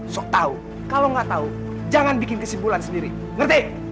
sok tau kalau gak tau jangan bikin kesimpulan sendiri ngerti